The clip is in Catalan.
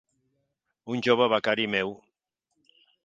Un jove becari meu.